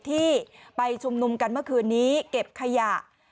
ที่ไปชุมนุมกันเมื่อคืนนี้เก็บขยะ